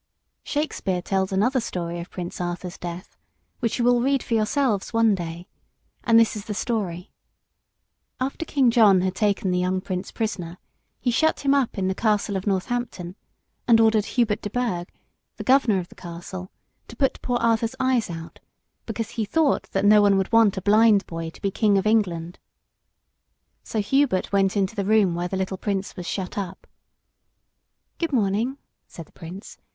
Shakespeare tells another story of Prince Arthur's death, which you will read for yourselves one day; and this is the story: After King John had taken the young Prince prisoner, he shut him up in the Castle of Northampton, and ordered Hubert de Burgh, the Governor of the Castle, to put poor Arthur's eyes out, because he thought that no one would want a blind boy to be King of England. So Hubert went into the room where the little Prince was shut up. "Good morning," said the Prince.